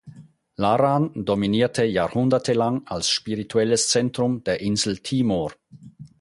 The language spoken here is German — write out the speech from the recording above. Laran dominierte jahrhundertelang als spirituelles Zentrum der Insel Timor.